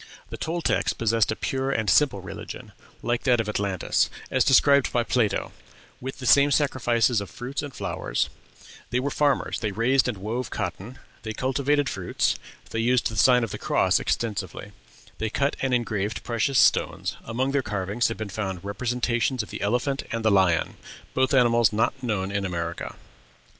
The Toltecs possessed a pure and simple religion, like that of Atlantis, as described by Plato, with the same sacrifices of fruits and flowers; they were farmers; they raised and wove cotton; they cultivated fruits; they used the sign of the Cross extensively; they cut and engraved precious stones; among their carvings have been found representations of the elephant and the lion, both animals not known in America.